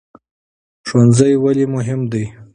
ښوونځی ولې مهم دی؟